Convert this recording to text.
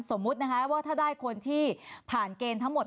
สมมุตินะคะว่าถ้าได้คนที่ผ่านเกณฑ์ทั้งหมด